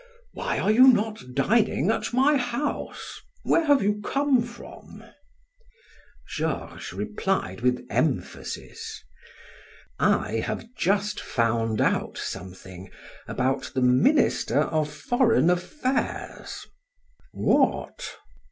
Why are you not dining at my house? Where have you come from?" Georges replied with emphasis: "I have just found out something about the minister of foreign affairs." "What?"